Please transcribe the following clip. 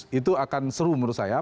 jadi itu akan seru menurut saya